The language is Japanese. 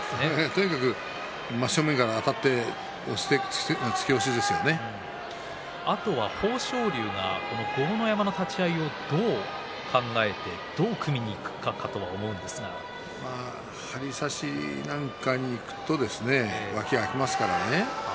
とにかく真正面からあとは豊昇龍が豪ノ山の立ち合いを、どう考えてどう組みにいくかだと張り差しなんかにいくと脇が空きますからね。